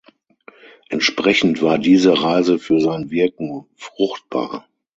Entsprechend war diese Reise für sein Wirken fruchtbar.